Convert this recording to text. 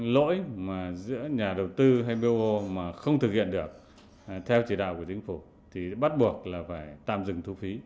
lỗi mà giữa nhà đầu tư hay bio mà không thực hiện được theo chỉ đạo của chính phủ thì bắt buộc là phải tạm dừng thu phí